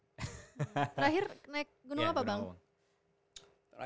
terakhir naik gunung apa bang